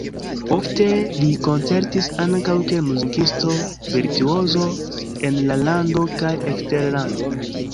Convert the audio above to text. Ofte li koncertis ankaŭ kiel muzikisto-virtuozo en la lando kaj eksterlande.